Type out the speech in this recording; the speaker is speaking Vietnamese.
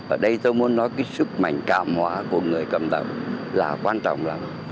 ở đây tôi muốn nói cái sức mạnh cảm hóa của người cầm đầu là quan trọng lắm